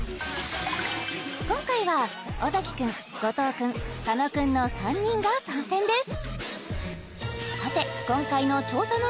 今回は尾崎くん後藤くん佐野くんの３人が参戦です